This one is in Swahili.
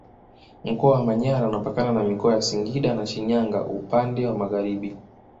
Mkoa wa Manyara unapakana na Mikoa ya Singida na Shinyanga upande wa magharibi